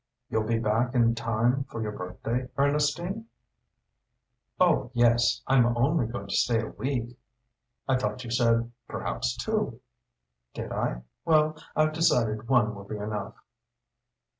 "You'll be back in time for your birthday, Ernestine?" "Oh, yes; I'm only going to stay a week." "I thought you said, perhaps two?" "Did I? Well I've decided one will be enough."